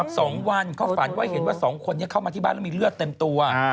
สองวันเขาฝันว่าเห็นว่าสองคนนี้เข้ามาที่บ้านแล้วมีเลือดเต็มตัว